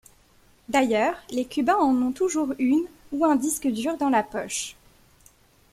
D'ailleurs, les cubains en ont toujours une ou un disque dur dans la poche.